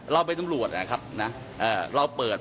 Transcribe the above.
เราเป็นน้องรวชนะครับเราเปิด